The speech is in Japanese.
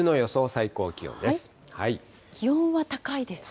最高気温気温は高いですね。